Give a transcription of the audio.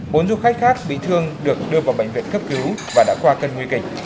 bốn du khách khác bị thương được đưa vào bệnh viện cấp cứu và đã qua cân nguy kịch